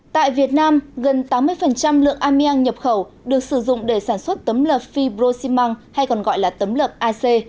tại việt nam gần tám mươi lượng ameang nhập khẩu được sử dụng để sản xuất tấm lợp fibrosimang hay còn gọi là tấm lợp ac